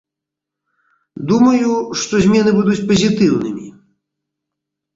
Думаю, што змены будуць пазітыўнымі.